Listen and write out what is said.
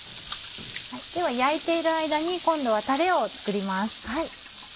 では焼いている間に今度はたれを作ります。